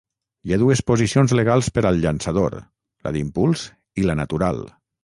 Hi ha dues posicions legals per al llançador, la d'impuls i la natural.